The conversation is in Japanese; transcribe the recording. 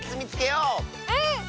うん！